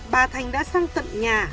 bà thành đã sang tận nhà